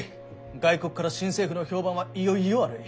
外国から新政府の評判はいよっいよ悪い。